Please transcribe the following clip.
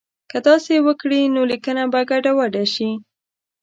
که داسې وکړي نو لیکنه به ګډوډه شي.